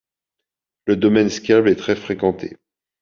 Le domaine skiable est très fréquenté.